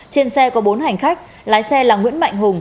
trên xe có bốn hành khách lái xe là nguyễn mạnh hùng